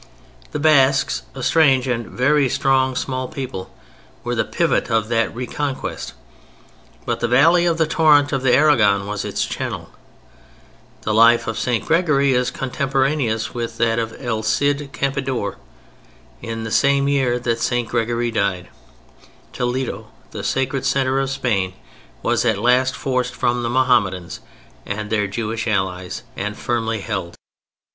The Basques—a strange and very strong small people—were the pivot of that reconquest, but the valley of the torrent of the Aragon was its channel. The life of St. Gregory is contemporaneous with that of El Cid Campeador. In the same year that St. Gregory died, Toledo, the sacred centre of Spain, was at last forced from the Mohammedans, and their Jewish allies, and firmly held.